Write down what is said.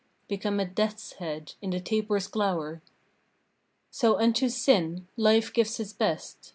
Become a death's head in the taper's glower. So unto Sin Life gives his best.